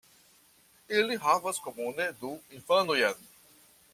Ili havas komune du infanojn.